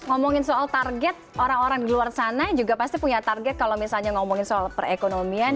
ngomongin soal target orang orang di luar sana juga pasti punya target kalau misalnya ngomongin soal perekonomian